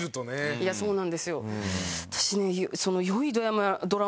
いやそうなんですよ。